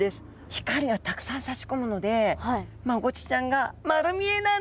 光がたくさんさし込むのでマゴチちゃんが丸見えなんです。